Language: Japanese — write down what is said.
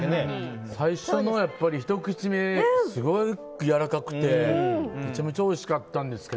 最初のひと口目すごくやわらかくてめちゃめちゃおいしかったんですよね。